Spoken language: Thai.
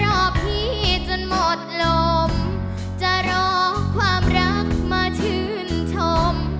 รอพี่จนหมดลมจะรอความรักมาชื่นชม